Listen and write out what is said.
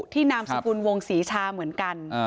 นามสกุลวงศรีชาเหมือนกัน